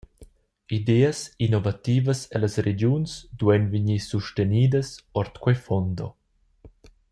Ideas innovativas ellas regiuns duein vegnir sustenidas ord quei fondo.